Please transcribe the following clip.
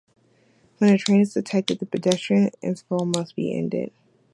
When a train is detected, the pedestrian interval must be ended.